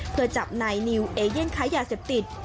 เพื่อจับนายนิวเอเย่นค้ายาเสพติด